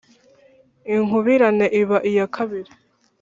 Inkubirane iba iya kabiri